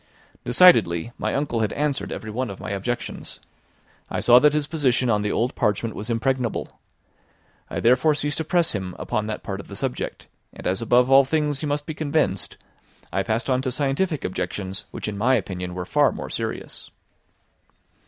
Decidedly, my uncle had answered every one of my objections. I saw that his position on the old parchment was impregnable. I therefore ceased to press him upon that part of the subject, and as above all things he must be convinced, I passed on to scientific objections, which in my opinion were far more serious.